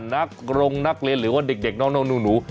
นักรงนักเรียนหรือว่าเด็กน้องหนู